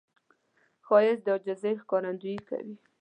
ښایست د عاجزي ښکارندویي کوي